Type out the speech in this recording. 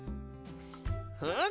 ふん！